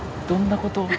どんなこと？